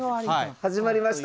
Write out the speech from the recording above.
始まりました